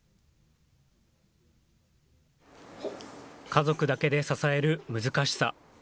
家族だけで支える難しさ。